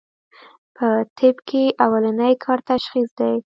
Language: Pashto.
پۀ طب کښې اولنی کار تشخيص دی